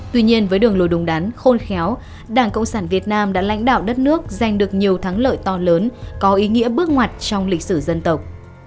tuy nhiên với đường lối đúng đắn khôn khéo đảng cộng sản việt nam đã lãnh đạo đất nước giành được nhiều thắng lợi to lớn có ý nghĩa bước ngoặt trong lịch sử dân tộc